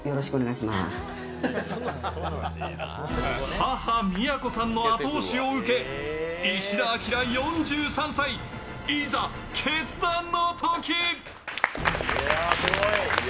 母・みや子さんの後押しを受け石田明４３歳、いざ決断の時。